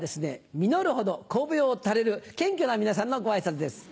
実るほど頭を垂れる謙虚な皆さんのご挨拶です。